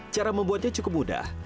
cara membuatnya cukup mudah